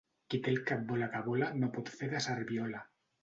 Qui té el cap vola que vola no pot fer de serviola.